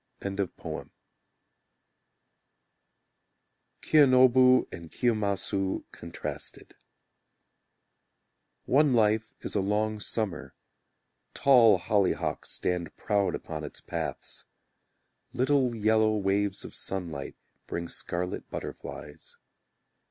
Kiyonobu and Kiyomasu Contrasted One life is a long summer; Tall hollyhocks stand proud upon its paths; Little yellow waves of sunlight, Bring scarlet butterflies.